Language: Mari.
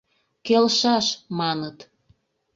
Келшаш, маныт.